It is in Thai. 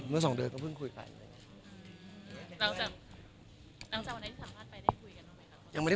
เมื่อ๒เดือนก็เพิ่งคุยกัน